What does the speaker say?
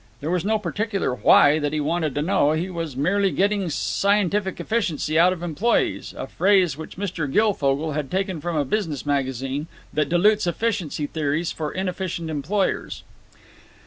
There was no particular "why" that he wanted to know; he was merely getting scientific efficiency out of employees, a phrase which Mr. Guilfogle had taken from a business magazine that dilutes efficiency theories for inefficient employers.